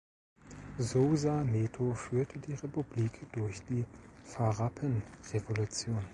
Sousa Neto führte die Republik durch die Farrapen-Revolution.